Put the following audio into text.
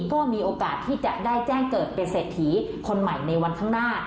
ก็มีโอกาสที่จะได้แจ้งเกิดเป็นเศรษฐีคนใหม่ในวันข้างหน้า